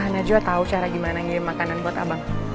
najwa tau gimana ngirim makanan buat abang